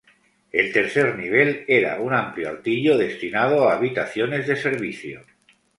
El tercer nivel era un amplio altillo, destinado a habitaciones de servicio.